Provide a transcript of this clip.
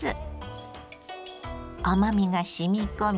甘みがしみ込み